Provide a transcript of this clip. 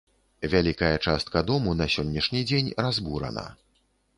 Вялікая частка дому на сённяшні дзень разбурана.